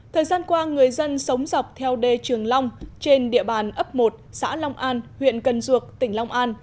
thời gian qua người dân sống dọc theo đê trường long trên địa bàn ấp một xã long an huyện cần duộc tỉnh long an